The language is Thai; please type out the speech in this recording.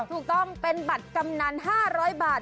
ถูกต้องเป็นบัตรกำนัน๕๐๐บาท